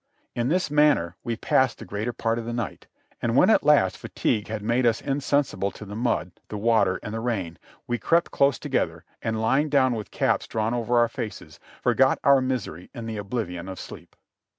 In this manner we passed the greater part of the night, and when at last fatigue had made us insensible to the mud, the water, and the rain, we crept close together, and lying down with caps drawn over our faces, forgot our misery in the oblivion of sleep.